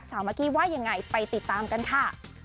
มากกี้ว่ายังไงไปติดตามกันค่ะ